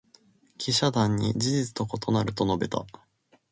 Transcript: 記者団に「事実と異なる」と述べた。